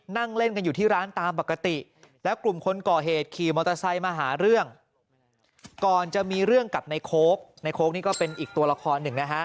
ในโค้กนี่ก็เป็นอีกตัวละครหนึ่งนะฮะ